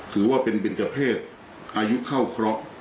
ถือว่าเป็นบินเจอร์เพศอายุเข้าครอบ